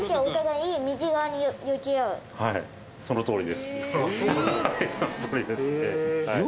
はいそのとおりですね。